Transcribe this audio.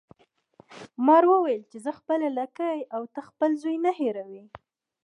مار وویل چې زه خپله لکۍ او ته خپل زوی نه هیروي.